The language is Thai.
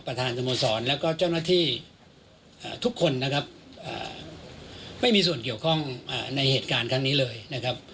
สโมสรแล้วก็เจ้าหน้าที่ทุกคนนะครับไม่มีส่วนเกี่ยวข้องในเหตุการณ์ครั้งนี้เลยนะครับ